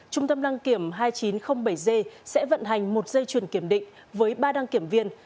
trung tâm đăng kiểm hai nghìn chín trăm linh bảy g sẽ vận hành một dây chuyền kiểm định với ba đăng kiểm viên